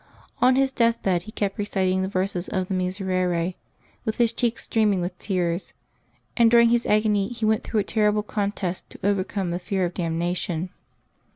On his death bed he kept reciting the verses of the Miserere, with his cheeks streaming with tears; and during his agony he went through a terrible contest to overcome the fear of damnation.